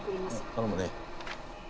頼むね。